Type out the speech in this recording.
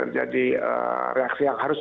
jadi reaksi yang harus